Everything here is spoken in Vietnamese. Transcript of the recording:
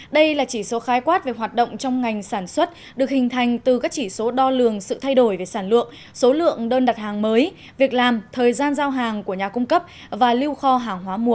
đây là chỉ số khái quát về hoạt động trong ngành sản xuất được hình thành từ các chỉ số đo lường sự thay đổi về sản lượng số lượng đơn đặt hàng mới việc làm thời gian giao hàng của nhà cung cấp và lưu kho hàng hóa mua bán